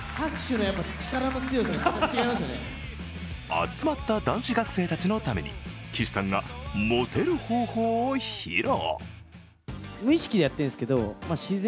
集まった男子学生たちのために、岸さんがモテる方法を披露。